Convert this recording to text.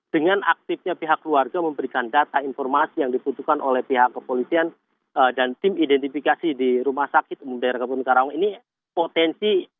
dengan aktifnya pihak keluarga memberikan data informasi yang dibutuhkan oleh pihak kepolisian dan tim identifikasi di rumah sakit umum daerah kabupaten karawang ini potensi